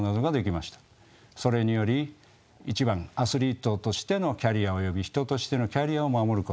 それにより１番アスリートとしてのキャリアおよび人としてのキャリアを守ること。